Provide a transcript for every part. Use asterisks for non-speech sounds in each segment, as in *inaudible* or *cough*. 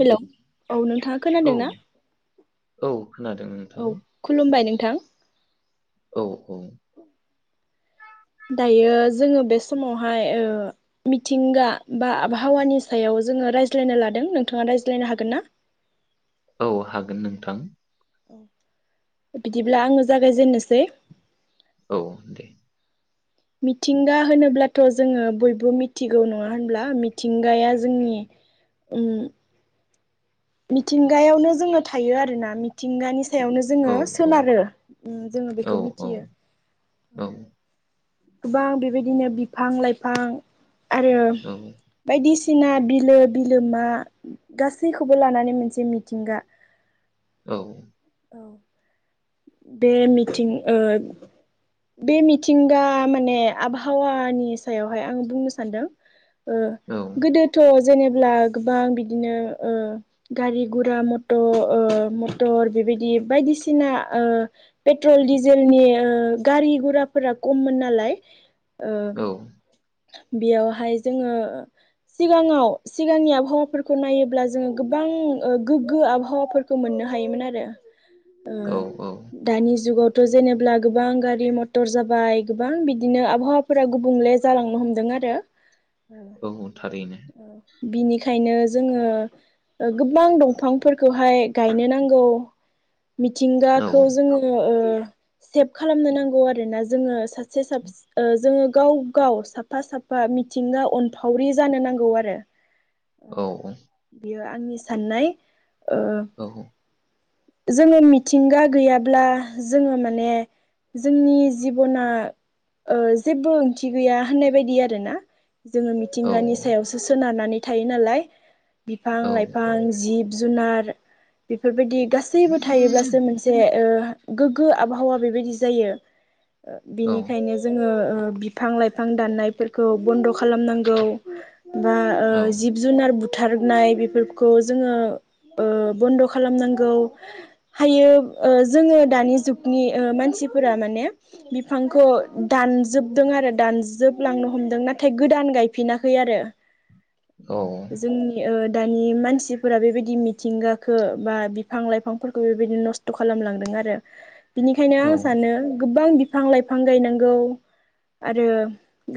Hello औ नोंथाङा औ खोनादों ना? औ खोनादों नोंथां थां औ औ दायो जोङो बे समावहाय ओ मिथिंगा बा आबहावानि सायाव जोङो रायज्लायनो लादों नोंथाङा रायज्लायनो हागोन ना औ हागोन नोंथां। बिदिब्ला आङो जागायजेननोसै औ दे। मिथिंगा होनोब्लाथ जोङो बयबो मिथिगौ नङा होनब्ला मिथिंगाया जोंनि उम मिथिंगायावनो जोङो थायो आरोना मिथिंगानि सायावनो औ जोङो औ सोनारो उम जोङो औ बेखौ औ मिथियो औ उम गोबां बेबादिनो बिफां लाइफां आरो औ *inaudible* बायदिसि सिना बिलो बिलोमा गासैखौबो लानानै मोनसे मिथिंगा औ औ बे मिथिं ओ बे मिथिंगा माने आबहावानि सायावहाय आं बुंनो सानदों ओ औ गोदोथ' जेनेब्ला गोबां बिदिनो ओ गारि गुरा मट ओ मटर बेबादि बायदिसिना ओ पेट्रल डिजेलनि ओ गारि गुराफोरा खममोन नालाय ओ बेयावहाय जोङो सिगाङाव सिगांनि आबहावाफोरखौ नायोब्ला जोङो गोबां ओ गोग्गो आबहावाफोरखौ मोननो हायोमोनआरो ओ औ दानि जुगाव जेनेब्ला गोबां गारि मटर जाबाय गोबां बिदिनो आबहावाफोरा गुबुंले जालांनो हमदों आरो ओ औ थारैनो ओ बिनिखायनोज जोंङो गोबां दंफांफोरखौहाय गायनो नांगौ मिथिंगा औ खौ जोङो ओ सेब खालामनो नांगौ आरोना जोङो सा साबस साबस ओ जोङो गाव गाव साफा साफा मिथिंगा अनफावरि जानो नांगौ आरो अ औ बियो आंनि साननाय ओ औ जोंङो मिथिंगा गैयाब्ला जोङो माने जोंनि जिबना ओ जेबो ओंथि गैया होननाय बायदि आरोना जोंङो औ मिथिंगानि सायावसो सोनारनानै थायो नालाय बिफां लाइफां औ जिब- जुनार बेफोरबायदि गासैबो थायोब्लासो मोनस ए ओ गोग्गो आबहावा बेबायदि जायो। ओ बिनिखायनो जोङो बिफां लाइफां दाननायफोरखौ बन्द' खालामनांगौ बा ओ जिब जुनार बु बुथारदनाय बेफोरखौ जोङो ओ बन्द' खालामनांगौ हायो ओ जोङो दानि जुगनि ओ मानसिफोरा माने बिफांखौ दानजोबदों आरो दानजोबलांनो हमदों नाथाय गोदान गायफिनाखै आरो औ जोंनि ओद दानि मानसिफोरा बेबायदि मिथिंगााखो बा बिफां लाइफांफोरखौ बेबायदि नस्थ खथ खालामलांदों आरो बिनिखायनो औ आं सानो गोबां बिब बिफां लाइफां गायनांगौ आरो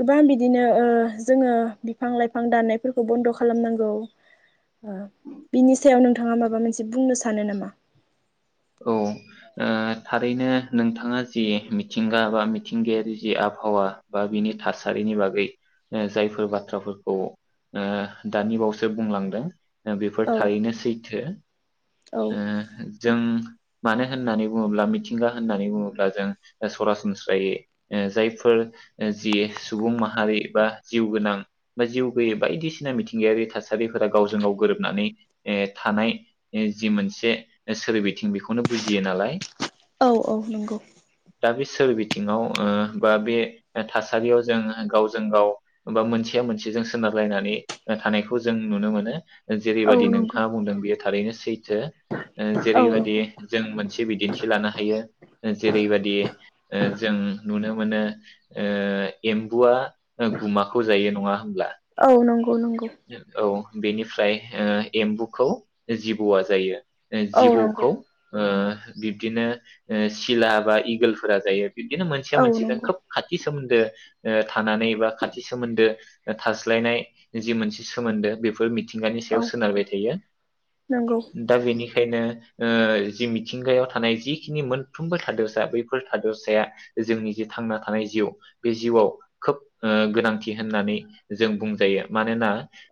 गोबां बिदिनो ओ जोङो बिफां लाइफां दाननायफोरखो बन्द खालामनांगौ। ओ बिनि सायाव नोंथ नोंथाङा माबा मोनसे बुंनो सानो नामा? औ ओ थारैनो नोंथाङा जि मिथिंगा बा मिथिंगायारि जि आबहावा बा बिनि थासारिनि बागै जायफोर बाथ्राफोरखौ ओ दानि बावैसो बुंलांदों। ओ बेफोर औ थारैनो सैथो। औ ओ जों मानो होननानै बुङोब्ला मिथिंगा होननानै बुङोब्ला जों सरासनस्रायै ओ जायफोर जि सुबुं माहारि बा जिउ गोनां बा जिउ गोैयै बायदिसिना मिथिंगायारि थासारिफोरा गावजों गाव गोरोबनानै ओ थानाय जि मोनसे सोरिबिथिं बेखौनो बुजियो नालाय औ औ नंगौ दा बे सोर बिथिङाव ओ बा बे थासारियाव जों गावजों गाव बा मोनसेया मोनसे जों सोनारलायनानै ओ थानायखौ जों नुनो मोनो। औ जेरैबादि नंगौ नोंथाङा बुंदों बेयो थारैनो *unintelligible* ओ औ जेरैबायदि नंगौ जों मोनसे बिदिन्थि लानो हायो ओ जेरैबायदि जों नुनो मोनो ओ एम्बु आ गुमाखौ जायो नङा होमब्ला औ नंगौ। नंगौ औ बेनिफ्राय ओ एम्बुखौ जिबौआ जायो। ए औ नंगौ जिबौखौ ओ बिब्दिनो सिला बा इगोलफोरा जायो। बिदिनो मोनसेया औ मोनसेजों नंगौ खोब खाथि सोमोन्दो ओ थानानै एबा खाथि सोमोन्दो थास्लायनाय जि मोनसे सोमोन्दो बेफोर मि मिथिंगानि औ सायाव सोनारबाय थायो नंगौ दा बेनि बेखायनो ओ जि मिथिंगायाव थानाय जिखिनि मोनफ्रोमबो थादोरसा बैफोर थादोरसाया जोंनि जे थांना थानाय जिउ बे जिउआव खोब ओ गोनांथि होननानै जों बुंजायो। मानोना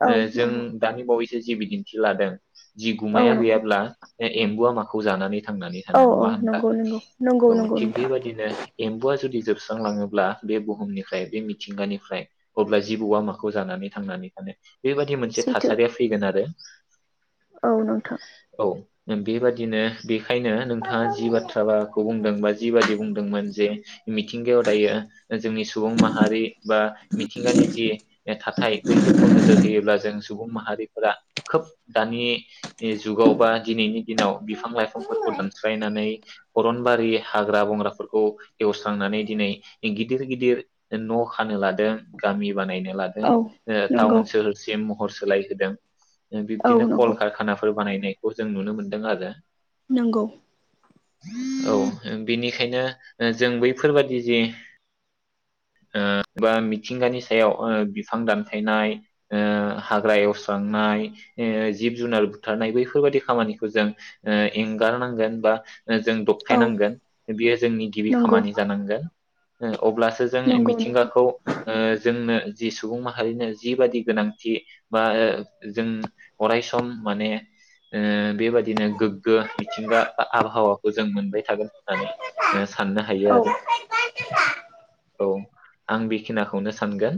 ओ औ जों नंगौ दानि बावैसो जि बिदिन्थि लादों जि औ गुमाया नंगौ गैयाब्ला एम्बुआ माखौ जानानै थांनानै थानो औ औ नङा होनबा? नंगौ नंगौ नंगौ औ नंगौ थिग नोंथां बेबायदिनो एम्बुआ जुदि जोबस्रांलाङोब्ला बे बुहुमनिफ्राय बे मिथिंगानिफ्राय अब्ला जिबौवा माखौ जानानै थांनानै थानो बेबायादि मोनसे सैथो थासारिया फैगोन आरो औ नोंथां। औ बेबादिनो बे ओंखायनो नोंथाङा जि बाथ्राखौ बुंदों बा जि बादि बुंदो दोंमोन जे मिथिंगायाव दायो जोंनि सुबुं माहारि बा मिथिंगानि जि थाथाय बैफोरखौ नोजोर होयोब्ला जों सुबुं माहारिफोरा खोब दानि जुगाव बा दिनैनि दिनाव बिफां लाइफांफोरखौ दानस्रायनानै अरनबारि हाग्रा बंग्राफोरख औ एवस्रांनानै दिनै गिदिर गिदिर न खानो लादों गामि बानायनो लादों। औ ओ नंगौ टाउन सोहोरसिम महर सोलायहोदों। औ बिब्दिनो कल नंगौ कारखानाफोर बानायनाय खौ जों नुनो मोनदों आरो। नोंगौ। औ ओ बेनिखायनो जों बैफोरबायदि जे ओ बा मिथिंगानि सायाव ओ बिफां दान गायनाय ओ हाग्रा एवस्रांनाय ओ जिब जुनार बुथारनाय बैफोरबायाददि खामानिखौ जों ओ एंगारनांगोन बा जों औ दबथायायनांगोन बियो जोंनि गिबि नंगौ खामानि जानांगोन। मायाव अब्लासो जों नंगौ नोंथां मिथिंगाखौ ओ जोंनो जि सुबुं मा माहारिनो जिबादि गोनांथि ओ बा जों अराय सम माने ओ बेबादिनो गोग्गो मिथिंगा बा आबहावाखौ जों मोनबाय थागोन होननानै साननो हायो औ आरो औ आं बेखिनाखौनो सानगोन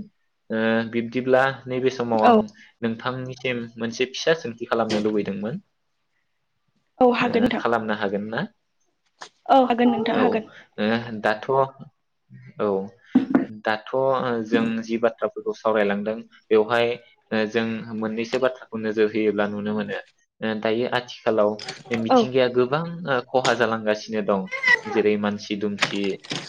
ओ बिबदिब्ला नैबे समाव औ आं नोंथां नोंथांनिसिम मोनसे फिसा सोंथि खालामनो लुबैदोंमोन औ हागोन ओ नोंथां खालामनो हागोन ना? औ हागोन नोंथां औ, ओ हागोन दाथ' औ दाथ ओ जों जों जि बाथ्राफोरखौ मोनदों बेवहाय जों मोननैसो बाथ्राखौ नोजोर होयोब्ला नुनो मोनो ओ दायो आथिखालाव औ मिथिंगाया गोबां ओ खहा जालांगासिनो दं जेरै मानसि दुमसि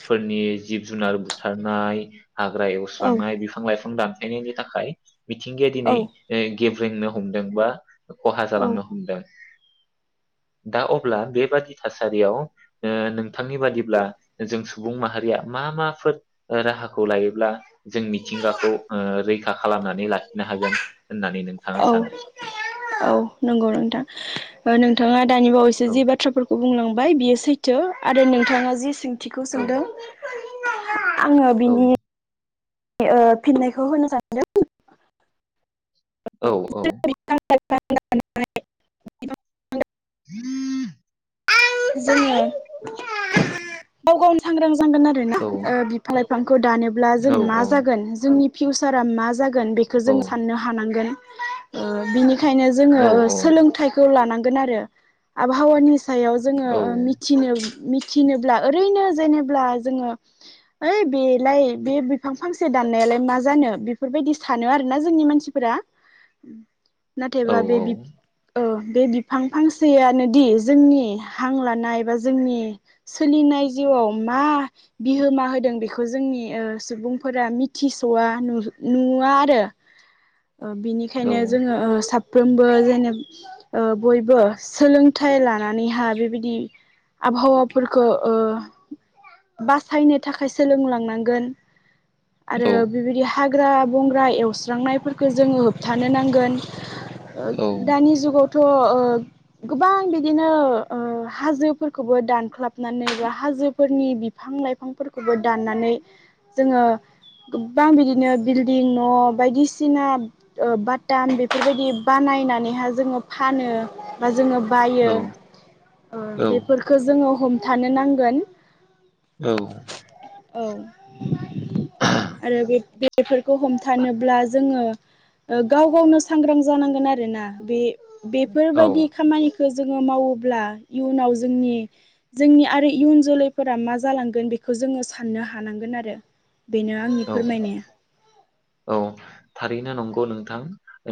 फोरनि जिब जुनार बुथारनाय हाग्रा औ एवस्रांनाय बिफां लाइफां दानफायनायनि थाखाय मिथिंगाया औ दिनै ओ गेब्रेंनो हमदों बा खहा औ जालांनो हमदों, दा अब्ला बेबादि थासारियाव ओ नोंथांनि बादिब्ला जों सुबुं माहारिया मा माफोर राहाखौ लायोब्ला जों मिथिंगाखौ ओ रैखा खालामनानै लाखिनो हागोन होननानै नोंथाङा औ सानो? औ नोंगौ नोंथां। ओ नोंथाङा दानि बावैसो औ जि बाथ्राफोरखौ बुंलां बाय सैथो आरो नोंथाङा जि थिखौ औ सोंदों *unintelligible* आङो औ बिनि ओ फिननायखौ होनो सानदों औ औ *unintelligible* ह *inaudible* *unintelligible* जोङो गाव गावनो सांग्रां ननांगोन औ आरोना बिफां लाइफांखौ दानोब्ला जों औ मा जागोन जोंनि पिउसारा मा जागोन जागोन बेखौ औ जों साननो हानांगोन ओ बिनि खायनो ओ औ जों सोलोंथाइखौ लानांगौ। आरो आबहावानि सायाव औ जोङो मिथिनो मिथिनोब्ला ओरैनो जेनोब्ला जों होइ बेलाय बे बिफां फांसे दाननायालाय मा जानो बेफोरबायदि सानो आरोना जोंनि मानसिफोरा औ नाथायबा बे बि औ औ बे बिफां फांसेयानो दि जोंनि हा हां लानाय बा जोंनि सोलिनाय जिउआव मा बिहोमा होदों बेखौ जोंनि ओ सुबुंफोरा मिथिसवा नु-नुवा आरो। ओ बिनिखायनो जों ओ साफ साफ्रोमबो जेने बयबो सोलोंथाइ लानानैहा बे बिदि आबहावाफोरखौ ओ बासायनो थाखाय सोलोंलांनांगोन। आरो बेबायदि हा हाग्रा बंग्रा एवस्रांनायफोरखौ जोङो होबथानो नांगोन दानि जुगाव थ ओ गोबां बिदिनो औ हाजोफोरखौबो दानख्लाबनानै बा हाजोफोरनि बिफां लाइफांफोरखौबो दाननानै जों गोबां बिदिनो बिल्डिं न बायदिसिना बाटाम बेफोरबायदि बानायनानैहाय जों फानो। बा जोङो बायो बेफोरखौ जों हमथानो नांगोन औ। आरो बे-बेफोरखौ हमथानोब्ला जों गाव गावनो सांग्रां जानांगोन आरोना बे औ बेफोरबायदि खामानिखौ जों मावोब्ला इयुनाव जोंनि जोंनि आरो इयुन जोलैफोरा मा जालांगोन बेखौ जों साननो हानांगोन आरो। बेनो आंनि औ फोरमायनाया। औ थारैनो नंगौ नोंथां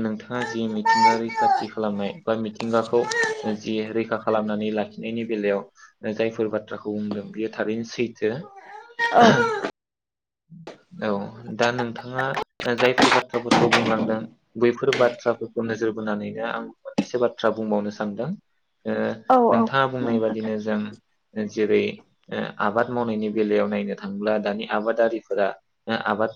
नोंथाङा जि मिथिंगा रैखाथि खालामनाय बा मिथिंगाखौ जि रैखा खालामनानै लाखिनायनि बेलायाव जायफोर बाथ्राखौ बुंदों बेयो थारैनो सैथो। औ औ दा नोंथाङा जायफोर बाथ्राफोरखौ बुंलांदों बैफोर बाथ्राफोरखौ नोजोर बोनानैनो आं मोननैसो बाथ्रा बुंबावनो सानदों। ओ औ औ नोंथाङा बुंनाय बुंनो हागोन बादिनो जों जेरै ओ आबाद मावनायनि बेलायाव नायनो थांब्ला दानि आबाद आबादारिफोरा आबाद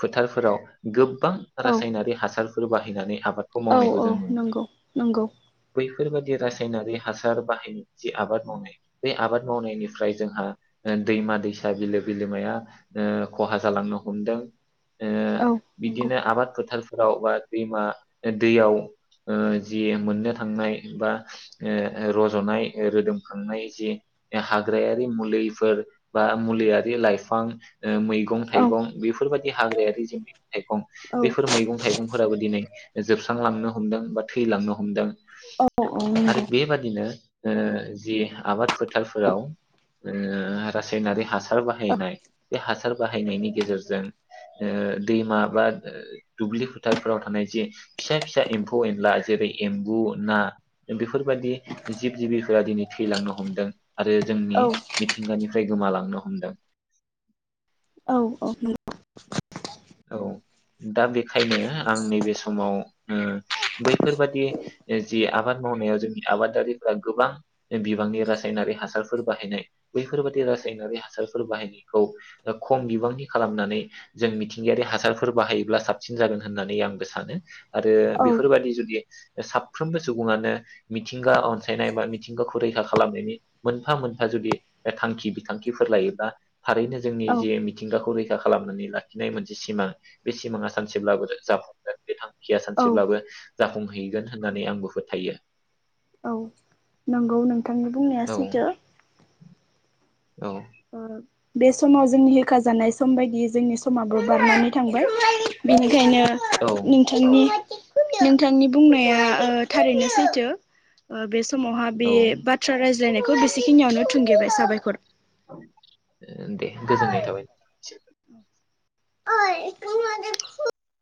फोथारफोराव गो गोबां औ रासायनारि हासार फोर बाहायनानै आबादखौ औ औ मावनायखौ नंगौ नंगौ। बेफोरबायदि रासायनारि हासार बाहायनाय जि आबाद मावनाय बे आबाद मावनायनिफ्राय जोंहा ओ दैमा दैसा बिलो बिलोमाया ओ खहा जालांनो हमदों। ओ औ नंगौ बिदिनो आबाद फोथार फोराव बा दैमा दैयाव ओ जि मोननो थांनाय बा ओ रजनाय रोदोमखांनाय जि हाग्रायारि मुलिफोर बा मुलियारि लाइफां ओ मैगं औ थाइगं बेफोरबायदि हाग्रायारि जे मैगं थाइगं औ बेफोर मैगं थाइगंफोराबो दिनै जोबस्रांलांनो हमदों बा थैलांनो हमदों औ आरो नंगौ बेबादिनो ओ जि आबाद फोथारफोराव रासायनारि ओ हासार औ बाहायनाय बे हासार बाहायनायनि गेजेरजों ओ दैमा बा दुब्लि फोथारफोराव थानाय जे फिसा फिसा एम्फौ एनला जेरै एम्बु ना बेफोरबायदि जिब जिबिफोरा दिनै थैलांनो हमदों। आरो जोंनि औ मिथिंगानि गोमालांनो हमदों। औ औ नोंगौ, औ दा बेखायनो आं नैबे समाव ओ बैफोरबादि जि आबाद मावनायाव जोंनि आबादारिफोरा गोबां बिबांनि रासायनारि हासारफोर बाहायनाय बैफोरबादि रासायनारि हासारफोर बाहायनायखौ खम बिबांनि खालामनानै जों मिथि मिथिंगायारि हासारफोर बाहायोब्ला साबसिन जागोन होननानै आंबो सानो आरो औ बेफोरबायदि जुदि साफ्रोमबो सुबुङानो मिथिंगा अनसायनाय बा मिथिंगाखौ रैखा खालामनायनि मोनफा मोनफा जुदि थांखि बिथांखिफोर लायोब्ला थारैनो जोंनि जे मिथिंगाखौ रैखा दा खालामनानै लाखि नाय मोनसे सिमां बे सिमाङा सानसेब्ला जाफुंगोन बे थां खिया औ सानसेब्लाबो जाफुं सहैगोन होननानै आंबो फोथायो। औ नंगौ नोंथांनि बुंनाया औ सैथो। औ। ओ बे समाव जोंनि होेखाजानाय सम बायदियै जोंनि समाबो बारनानै थांबाय बेनिखायनो औ नोंथांनि नोंथांनि बुंनाया ओ थारैनो सैथो ओ बेस समावहा बे औ बाथ्रा राय बुजायनायखौ बेसेखिनियावनो थुंगेबाय साबायखर। दे गोजोननाय थाबाय *unintelligible*